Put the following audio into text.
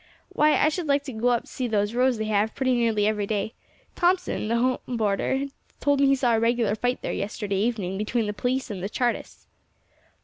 "Why, I should like to go up to see those rows they have pretty nearly every day. Thompson, the home boarder, told me he saw a regular fight there yesterday evening between the police and the Chartists."